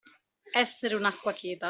Essere un'acqua cheta.